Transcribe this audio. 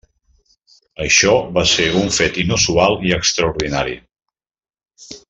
Això va ser un fet inusual i extraordinari.